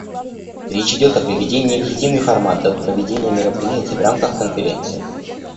Речь идет о приведении в единый формат дат проведения мероприятий в рамках Конференции.